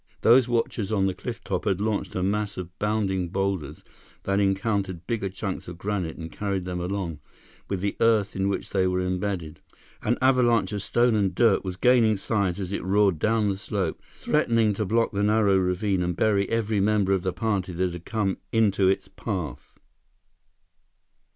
Those watchers on the cliff top had launched a mass of bounding boulders that encountered bigger chunks of granite and carried them along, with the earth in which they were imbedded. An avalanche of stone and dirt was gaining size as it roared down the slope, threatening to block the narrow ravine and bury every member of the party that had come into its path!